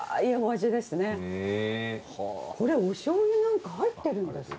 これおしょうゆなんか入ってるんですか？